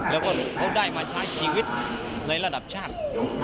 แล้วก็เขาได้มาใช้ชีวิตในระดับชาติ